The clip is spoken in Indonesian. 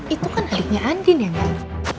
itu kan adiknya andien ya mbak